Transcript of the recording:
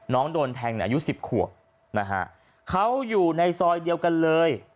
น้องโดนแทงในอายุสิบขวบนะฮะเขาอยู่ในซอยเดียวกันเลย